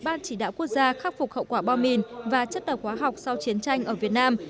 ban chỉ đạo quốc gia khắc phục hậu quả bom mìn và chất độc hóa học sau chiến tranh ở việt nam